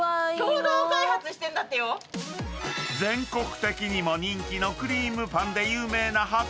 ［全国的にも人気のくりーむパンで有名な八